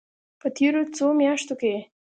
په تېرو څو میاشتو کې